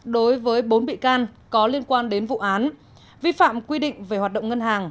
đối với bốn bị can có liên quan đến vụ án vi phạm quy định về hoạt động ngân hàng